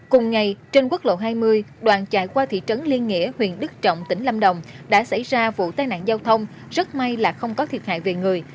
cùng ngày trên quốc lộ hai mươi đoạn chạy qua thị trấn liên nghĩa huyện đức trọng tỉnh lâm đồng đã xảy ra vụ tai nạn giao thông rất may là không có thiệt hại về người